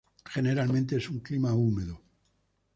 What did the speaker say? Generalmente es un clima húmedo.